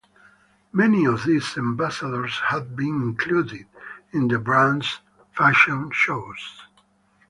Many of these ambassadors have been included in the brand’s fashion shows.